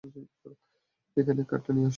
এখানে কার্টটা নিয়ে আসো!